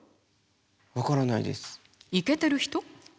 イケてる人？